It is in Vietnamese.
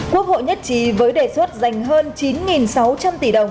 quốc hội nhất trí với đề xuất dành hơn chín sáu trăm linh tỷ đồng